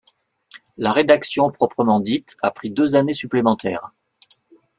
La rédaction proprement dite a pris deux années supplémentaires.